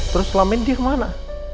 terus selama ini dia kemana